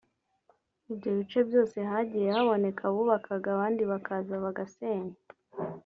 Ibyo bice byose hagiye haboneka abubakaga abandi bakaza bagasenya